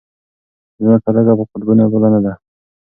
ځمکه لږه په قطبونو پلنه ده.